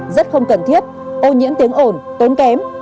rất không cần thiết ô nhiễm tiếng ồn tốn kém